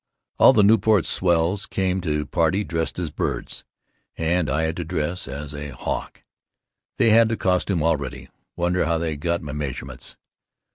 All the Newport swells came to party dressed as birds, and I had to dress as a hawk, they had the costume all ready, wonder how they got my measurements.